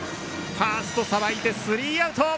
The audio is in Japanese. ファーストさばいてスリーアウト。